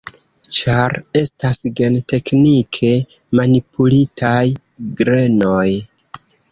Ĉar estas genteknike manipulitaj grenoj.